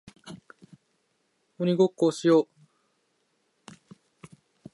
鬼ごっこをしよう